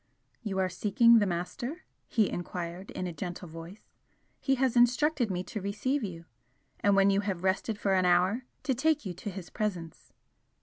"You are seeking the Master?" he enquired, in a gentle voice "He has instructed me to receive you, and when you have rested for an hour, to take you to his presence."